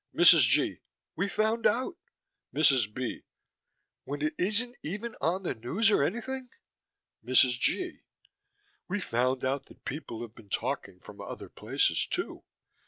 MRS. G.: We found out MRS. B.: When it isn't even on the news or anything. MRS. G.: We found out that people have been talking from other places, too.